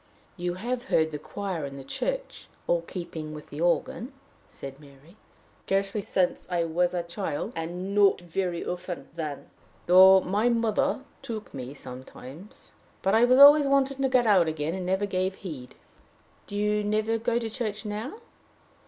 "You have heard the choir in the church all keeping with the organ," said Mary. "Scarcely since I was a child and not very often then though my mother took me sometimes. But I was always wanting to get out again, and gave no heed." "Do you never go to church now?"